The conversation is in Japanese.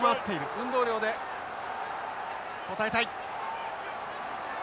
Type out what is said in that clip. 運動量で応えたい。